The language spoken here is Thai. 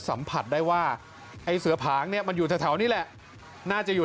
สัมผัสได้ว่าไอ้เสือผางเนี่ยมันอยู่แถวนี้แหละน่าจะอยู่